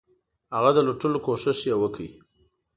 هغه د لوټلو کوښښ یې وکړ.